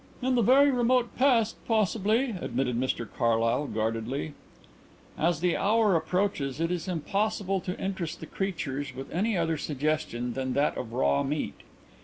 "In the very remote past, possibly," admitted Mr Carlyle guardedly. "As the hour approaches it is impossible to interest the creatures with any other suggestion than that of raw meat.